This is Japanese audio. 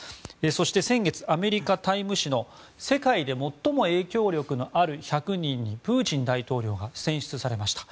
そして、先月アメリカ「タイム」誌の世界で最も影響力のある１００人にプーチン大統領が選出されました。